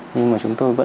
nhưng mà chúng tôi vẫn